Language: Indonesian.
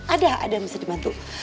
ada yang bisa dibantu